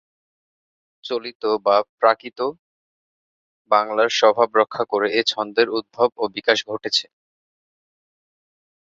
চলিত বা প্রাকৃত বাংলার স্বভাব রক্ষা করে এ ছন্দের উদ্ভব ও বিকাশ ঘটেছে।